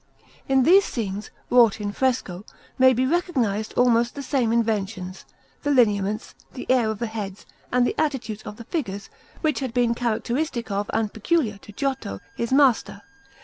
In these scenes, wrought in fresco, may be recognized almost the same inventions (the lineaments, the air of the heads, and the attitudes of the figures) which had been characteristic of and peculiar to Giotto, his master.